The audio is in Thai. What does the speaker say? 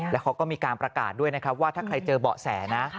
แล้วเขาก็มีการประกาศด้วยนะครับว่าถ้าใครเจอเบาะแสนะ